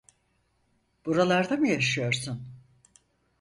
Buralarda mı yaşıyorsun?